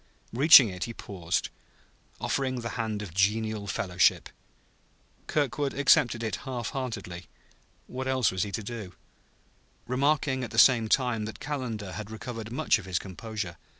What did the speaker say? Reaching it, he paused, offering the hand of genial fellowship. Kirkwood accepted it half heartedly (what else was he to do?) remarking at the same time that Calendar had recovered much of his composure.